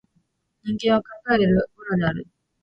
人間は考える葦である